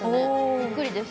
びっくりです。